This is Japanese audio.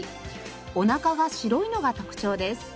おなかが白いのが特徴です。